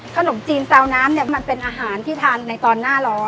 คนมจีนเศร้าน้ำมันเป็นอาหารที่ทานในตอนหน้าร้อน